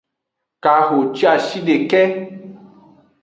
Kahociashideke.